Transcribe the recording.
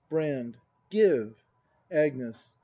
Brand. Give! Agnes.